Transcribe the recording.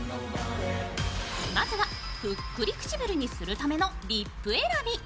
まずはぷっくり唇にするためのリップ選び。